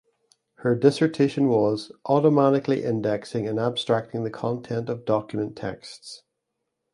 Her dissertation was "Automatically Indexing and Abstracting the Content of Document Texts".